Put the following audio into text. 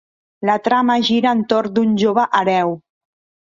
La trama gira entorn d'un jove hereu.